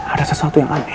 ada sesuatu yang aneh